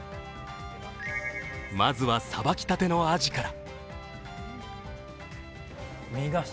まずは、さばきたてのあじから。